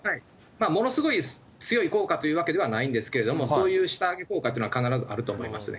ものすごい強い効果というわけではないんですけれども、そういう下上げ効果というのは必ずあると思いますね。